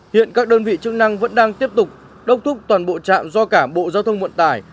hiện các đơn vị chức năng vẫn đang tiếp tục đốc thúc toàn bộ trạm do cả bộ giao thông vận tải